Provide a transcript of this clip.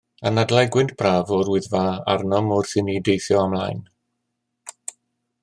Anadlai gwynt braf o'r Wyddfa arnom wrth i ni deithio ymlaen.